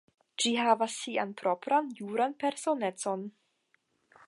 Ĝi havas sian propran juran personecon.